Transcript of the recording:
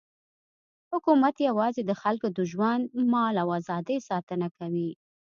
حکومت یوازې د خلکو د ژوند، مال او ازادۍ ساتنه کوي.